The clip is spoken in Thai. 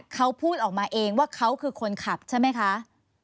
เขาพูดออกมาเองว่าเขาคือคนขับใช่ไหมคะ